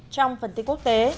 trong phần tiết quốc tế